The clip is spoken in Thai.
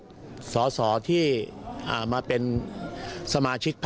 คุณสิริกัญญาบอกว่า๖๔เสียง